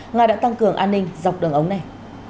nga đã tăng cường an ninh dọc đường ống này